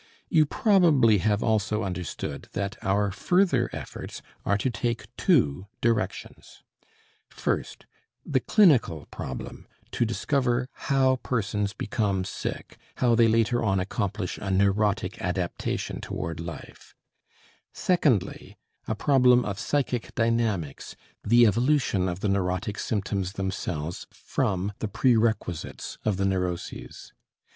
You probably have also understood that our further efforts are to take two directions: first, the clinical problem to discover how persons become sick, how they later on accomplish a neurotic adaptation toward life; secondly, a problem of psychic dynamics, the evolution of the neurotic symptoms themselves from the prerequisites of the neuroses.